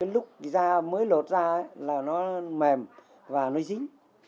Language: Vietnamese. lúc da mới lột da là nó mềm và nó dính